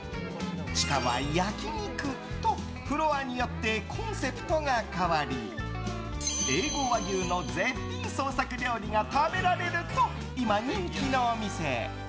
地下は焼き肉と、フロアによってコンセプトが変わりＡ５和牛の絶品創作料理が食べられると今、人気のお店。